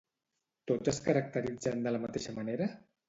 Tots es caracteritzen de la mateixa manera?